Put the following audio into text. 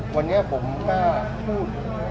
วันนี้ผมก็พูด